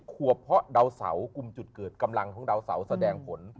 ขวบเพราะดาวเสากลุ่มจุดเกิดกำลังของดาวเสาแสดงผล